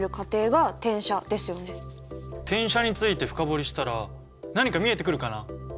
転写について深掘りしたら何か見えてくるかな？